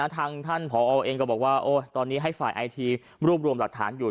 ทางท่านผอเองก็บอกว่าตอนนี้ให้ฝ่ายไอทีรวบรวมหลักฐานอยู่